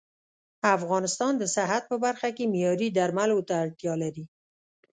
افغانستان د صحت په برخه کې معياري درملو ته اړتيا لري